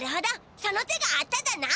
その手があっただな。